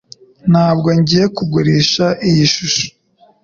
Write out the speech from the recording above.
Ntabwo ngiye kugurisha iyi shusho